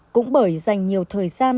cũng bởi dành nhiều thời gian